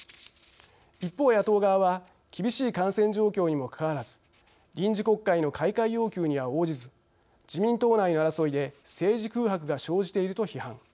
一方、野党側は厳しい感染状況にもかかわらず臨時国会の開会要求には応じず自民党内の争いで政治空白が生じていると批判。